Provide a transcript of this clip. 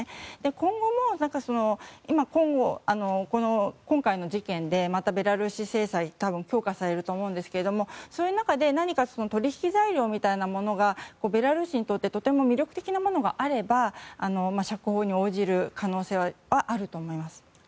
今後も、今回の事件でベラルーシ制裁が多分、強化されると思うんですがその中で何か取引材料みたいなものがベラルーシにとってとても魅力的なものがあれば釈放に応じる可能性はあると思います。